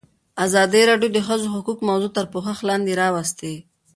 ازادي راډیو د د ښځو حقونه موضوع تر پوښښ لاندې راوستې.